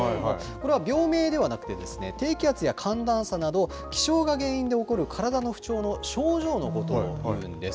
これは病名ではなくてですね、低気圧や寒暖差など気象が原因で起こる体の不調、症状のことをいうんです。